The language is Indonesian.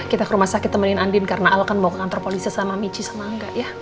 kita ke rumah sakit temenin andin karena al kan bawa ke kantor polisi sama michi senang gak ya